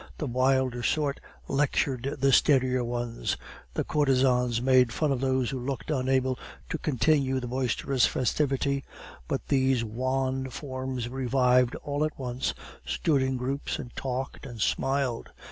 The wilder sort lectured the steadier ones. The courtesans made fun of those who looked unable to continue the boisterous festivity; but these wan forms revived all at once, stood in groups, and talked and smiled.